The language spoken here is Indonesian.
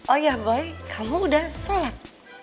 oh ya boy kamu udah sholat